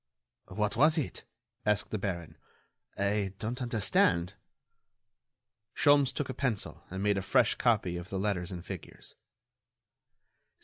"What was it?" asked the baron. "I don't understand." Sholmes took a pencil and made a fresh copy of the letters and figures.